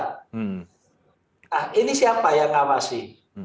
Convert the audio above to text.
nah ini siapa yang ngawasi